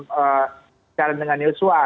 berbicara dengan joshua